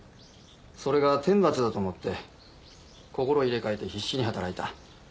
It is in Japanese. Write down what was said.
それが天罰だと思って心入れ替えて必死に働いた。